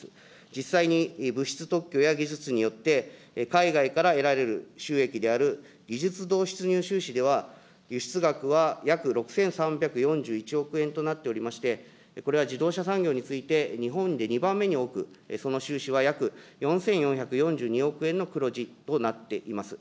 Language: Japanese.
実際に、物質特許や技術によって、海外から得られる収益である、技術どう出入収支では輸出額は約６３４１億円となっておりまして、これは自動車産業に続いて、日本で２番目に多く、その収支は約４４４２億円の黒字となっています。